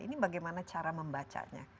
ini bagaimana cara membacanya